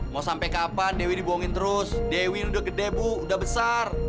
mau sampai kapan dewi dibohongin terus dewi udah gede bu udah besar